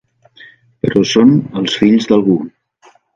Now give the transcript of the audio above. Però són els fills d'algú.